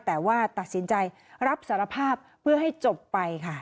แต่ว่าตัดสินใจรับสารภาพเพื่อให้จบไปค่ะ